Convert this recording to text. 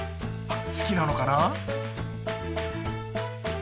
好きなのかな？